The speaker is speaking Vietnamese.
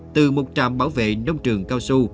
từ một trạm bảo vệ nông trường cao su